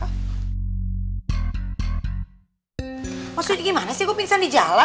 maksudnya gimana sih gue pingsan di jalan